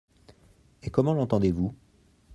Et comment l’entendez-vous ?